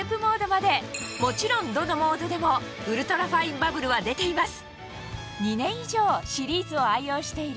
もちろんどのモードでもウルトラファインバブルは出ています